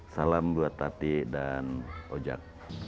salam buat tati dan ojak